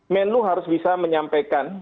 menlu harus bisa menyampaikan